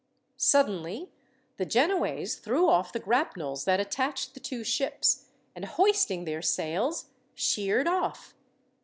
Suddenly, the Genoese threw off the grapnels that attached the two ships, and hoisting their sails, sheered off.